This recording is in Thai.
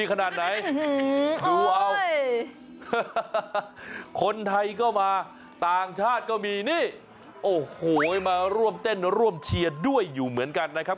ขนาดไหนดูเอาคนไทยก็มาต่างชาติก็มีนี่โอ้โหมาร่วมเต้นร่วมเชียร์ด้วยอยู่เหมือนกันนะครับ